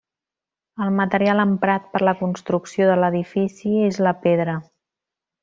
El material emprat per la construcció de l'edifici és la pedra.